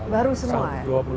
baru semua ya